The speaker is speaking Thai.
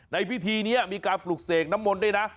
ในพิธีนี้มีการปลูกเสกน้ำมนต์ด้วยนะ